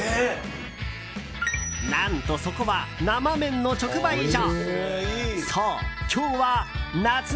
何と、そこは生麺の直売所。